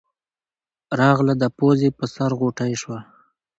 راغله د پوزې پۀ سر غوټۍ شوه